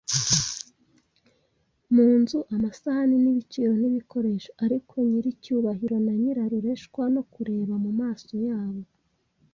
Mu nzu amasahani n'ibiciro n'ibikoresho - ariko nyiricyubahiro na nyirarureshwa, no kureba mumaso yabo?